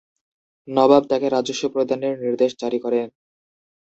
নবাব তাকে রাজস্ব প্রদানের নির্দেশ জারি করেন।